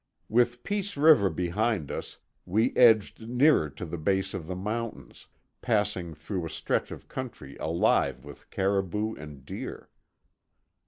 With Peace River behind us we edged nearer to the base of the mountains, passing through a stretch of country alive with caribou and deer.